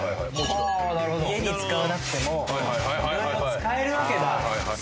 家に使わなくても色々使えるわけだ。